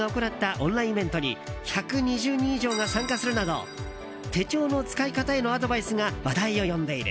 オンラインイベントに１２０人以上が参加するなど手帳の使い方へのアドバイスが話題を呼んでいる。